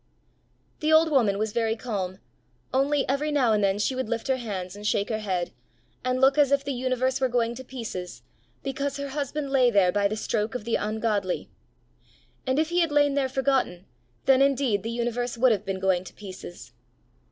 The old woman was very calm, only every now and then she would lift her hands and shake her head, and look as if the universe were going to pieces, because her husband lay there by the stroke of the ungodly. And if he had lain there forgotten, then indeed the universe would have been going to pieces!